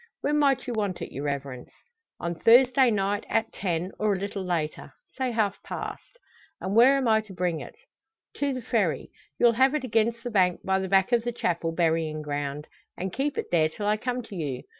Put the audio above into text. "When might you want it, your Reverence?" "On Thursday night, at ten, or a little later say half past." "And where am I to bring it?" "To the Ferry; you'll have it against the bank by the back of the Chapel burying ground, and keep it there till I come to you.